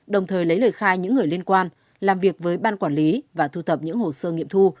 đồng thời lấy lời khai những người liên quan làm việc với ban quản lý và thu thập những hồ sơ nghiệm thu